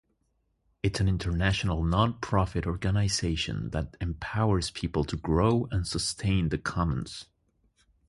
It's an international nonprofit organization that empowers people to grow and sustain the commons.